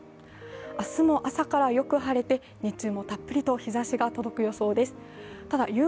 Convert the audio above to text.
明日も朝からよく晴れて日中もたっぷりと日ざしが届く予報です。